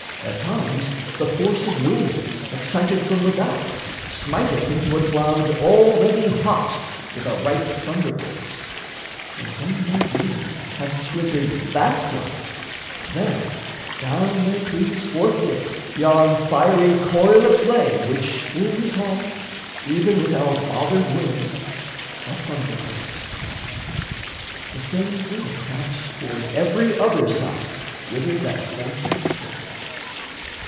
At times The force of wind, excited from without, Smiteth into a cloud already hot With a ripe thunderbolt. And when that wind Hath splintered that cloud, then down there cleaves forthwith Yon fiery coil of flame which still we call, Even with our fathers' word, a thunderbolt. The same thing haps toward every other side Whither that force hath swept.